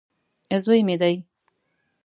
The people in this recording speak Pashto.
زوی مې دی.